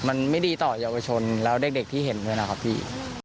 มันไม่ดีต่อเยาวชนแล้วเด็กที่เห็นด้วยนะครับพี่